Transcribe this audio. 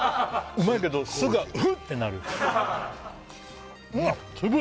うまいけど酢がウッてなる酢豚